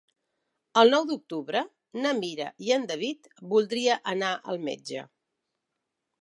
El nou d'octubre na Mira i en David voldria anar al metge.